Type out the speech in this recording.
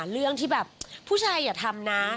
เรื่องที่แบบผู้ชายอย่าทำนะ